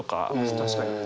確かに。